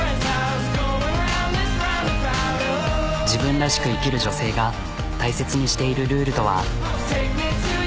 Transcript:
自分らしく生きる女性が大切にしているルールとは？